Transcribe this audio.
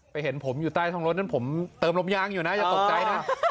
เห็นผมอยู่ใต้ท้องรถนั้นผมเติมลมยางอยู่นะอย่าตกใจนะ